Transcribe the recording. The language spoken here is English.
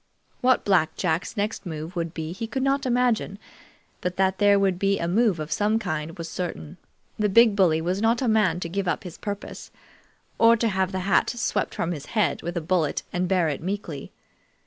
What Black Jack's next move would be he could not imagine, but that there would be a move of some kind was certain. The big bully was not a man to give up his purpose, or to have the hat swept from his head with a bullet and bear it meekly.